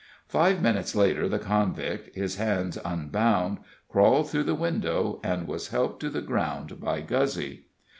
Five minutes later the convict, his hands unbound, crawled through the window, and was helped to the ground by Guzzy.